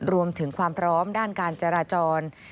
รวมถึงความพร้อมด้านการจราจร